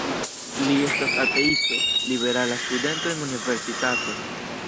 Li estas ateisto, liberala studento en universitato.